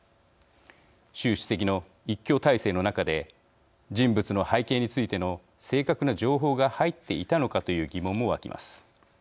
習主席の一強体制の中で人物の背景についての正確な情報が入っていたのかという疑問も湧きます。